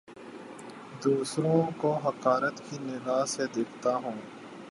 دوسروں کو حقارت کی نگاہ سے دیکھتا ہوں